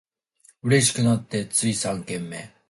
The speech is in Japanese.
嬉しくなってつい三軒目